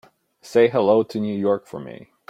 Say hello to New York for me.